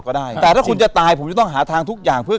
ขอบคุณพี่โจ้ด้วยครับ